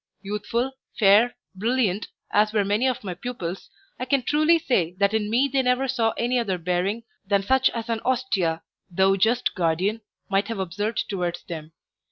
Youthful, fair, brilliant, as were many of my pupils, I can truly say that in me they never saw any other bearing than such as an austere, though just guardian, might have observed towards them.